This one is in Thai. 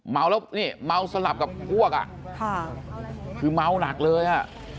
เมาแล้วนี่เมาสลับกับพวกอ่ะค่ะคือเมาหนักเลยอ่ะ